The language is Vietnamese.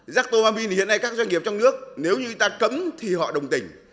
rác tô bạc phin thì hiện nay các doanh nghiệp trong nước nếu như ta cấm thì họ đồng tình